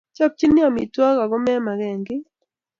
chopchini amitwogik ako mameken kiy